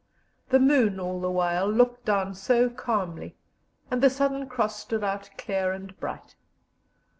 The moon all the while looked down so calmly, and the Southern Cross stood out clear and bright.